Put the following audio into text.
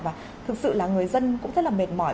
và thực sự là người dân cũng rất là mệt mỏi